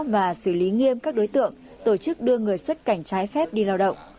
và xử lý nghiêm các đối tượng tổ chức đưa người xuất cảnh trái phép đi lao động